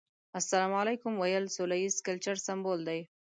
السلام عليکم ويل سوله ييز کلچر سمبول دی.